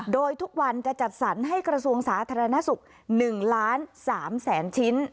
โดยทุกวันจะจัดสรรให้กระทรวงสาธารณสุข๑ล้าน๓แสนชิ้น